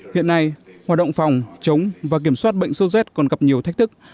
hiện nay hoạt động phòng chống và kiểm soát bệnh số z còn gặp nhiều thách thức